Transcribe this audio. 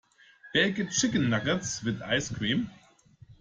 Baked chicken nuggets, with ice cream.